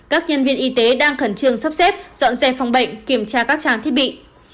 các nhân viên y tế đang khẩn trương sắp xếp dọn xe phòng bệnh kiểm tra các trang thiết bị